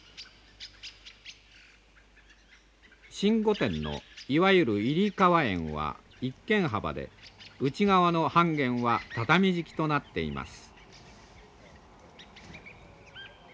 新御殿のいわゆる入側縁は一間幅で内側の半間は畳敷きとなっています。